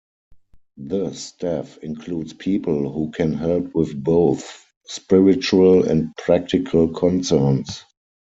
The staff includes people who can help with both spiritual and practical concerns.